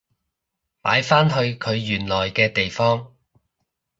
擺返去佢原來嘅地方